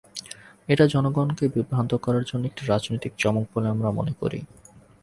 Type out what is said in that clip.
এটা জনগণকে বিভ্রান্ত করার জন্য একটি রাজনৈতিক চমক বলে আমরা মনে করি।